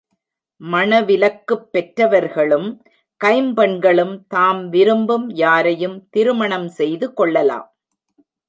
மணவிலக்குப் பெற்றவர்களும், கைம்பெண்களும் தாம் விரும்பும் யாரையும் திருமணம் செய்து கொள்ளலாம்.